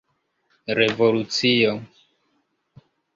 revolucio